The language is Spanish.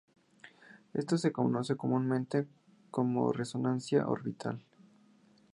Esto se conoce comúnmente como resonancia orbital.